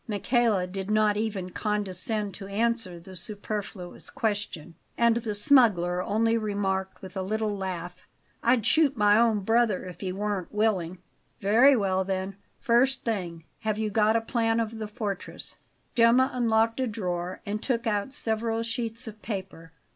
Michele did not even condescend to answer the superfluous question, and the smuggler only remarked with a little laugh: "I'd shoot my own brother, if he weren't willing." "Very well, then First thing; have you got a plan of the fortress?" Gemma unlocked a drawer and took out several sheets of paper.